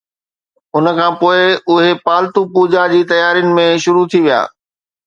ان کان پوء اهي پالتو پوجا جي تيارين ۾ مصروف ٿي ويا